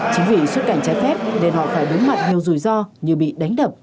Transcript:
chính vì xuất cảnh trái phép nên họ phải đối mặt nhiều rủi ro như bị đánh đập